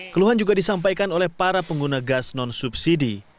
keluhan juga disampaikan oleh para pengguna gas non subsidi